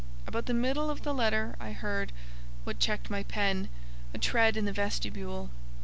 About the middle of the letter I heard—what checked my pen—a tread in the vestibule.